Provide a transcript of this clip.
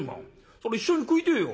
そら一緒に食いてえよ。